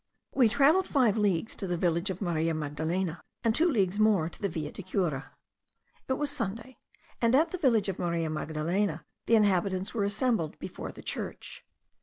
We travelled five leagues to the village of Maria Magdalena, and two leagues more to the Villa de Cura. It was Sunday, and at the village of Maria Magdalena the inhabitants were assembled before the church.